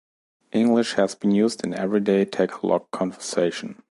English has been used in everyday Tagalog conversation.